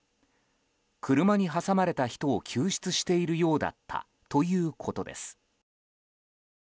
車に挟まれた人を救出しているようだったということです。